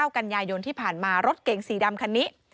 กันยายนที่ผ่านมารถเก๋งสีดำคันนี้